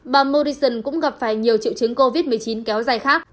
bà morrison cũng gặp phải nhiều triệu chứng covid một mươi chín kéo dài khác